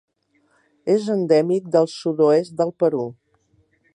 És endèmic del sud-oest del Perú.